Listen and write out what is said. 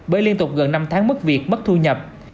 bởi liên tục gần năm tháng mất việc mất thu nhập